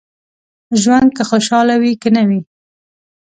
ژوند که خوشاله وي که نه وي.